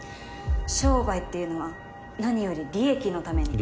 商売っていうのは何より利益のために。